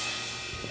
sama tiara ya